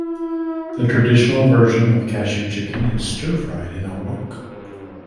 The traditional version of cashew chicken is stir-fried in a wok.